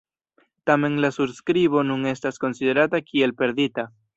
Tamen la surskribo nun estas konsiderata kiel perdita.